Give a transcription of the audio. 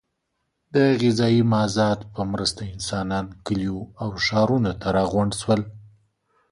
د غذایي مازاد په مرسته انسانان کلیو او ښارونو ته راغونډ شول.